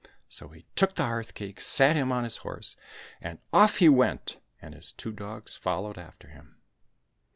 So he took the hearth cake, sat him on his horse, and off he went, and his two dogs followed after him.